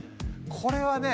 これはね